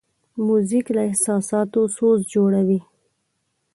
موزیک له احساساتو سوز جوړوي.